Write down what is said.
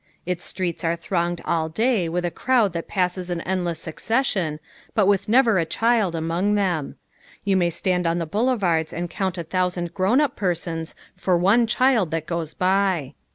Its streets are thronged all day with a crowd that passes in endless succession but with never a child among them. You may stand on the boulevards and count a thousand grown up persons for one child that goes by.